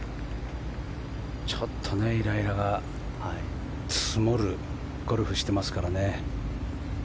ちょっとイライラが募るゴルフをしていますからね。